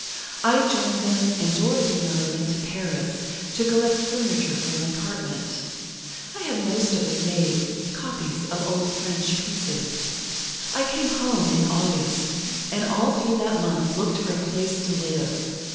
I joined them, and Dorothy and I went to Paris, to collect furniture for an apartment. I had most of it made, copies of old French pieces. "I came home in August, and all through that month looked for a place to live.